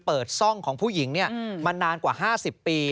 ซ่องของผู้หญิงมานานกว่า๕๐ปี